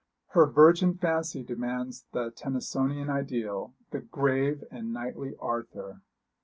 Her virgin fancy demands the Tennysonian ideal, the grave and knightly Arthur.